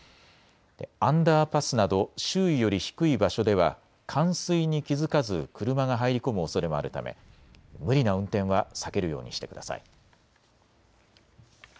アンダーパスなど周囲より低い場所では冠水に気付かず車が入り込むおそれもあるため無理な運転は避けるようにしてください。